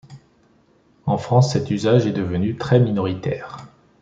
En France, cet usage est devenu très minoritaire.